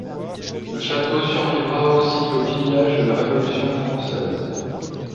Le château survivra aussi aux pillages de la Révolution française.